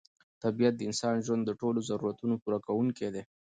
طبیعت د انساني ژوند د ټولو ضرورتونو پوره کوونکی دی.